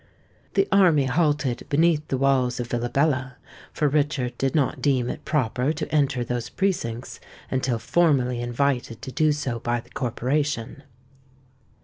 The army halted beneath the walls of Villabella, for Richard did not deem it proper to enter those precincts until formally invited to do so by the corporation.